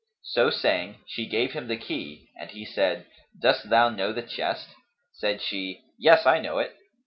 So saying, she gave him the key, and he said, "Dost thou know the chest?" Said she, "Yes, I know it."